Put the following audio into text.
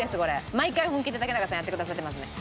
毎回本気で竹中さんやってくださってますんで。